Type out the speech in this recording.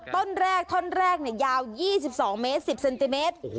ต้นแรกท่อนแรกยาว๒๒เมตร๑๐เซนติเมตร